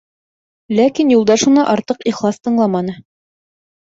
Ләкин Юлдаш уны артыҡ ихлас тыңламаны.